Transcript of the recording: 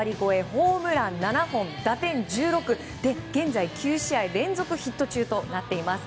ホームラン７本打点１６、現在９試合連続ヒット中となっています。